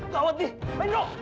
kau hati pak indro